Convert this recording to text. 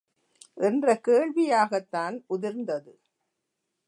என்ற கேள்வியாகத்தான் உதிர்ந்தது.